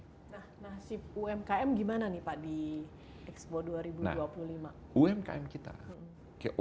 nah nasib umkm gimana nih pak di expo dua ribu dua puluh lima umkm kita